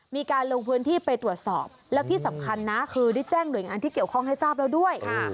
มีการลงพื้นที่ไปตรวจสอบแล้วที่สำคัญนะคือได้แจ้งหน่วยงานที่เกี่ยวข้องให้ทราบแล้วด้วย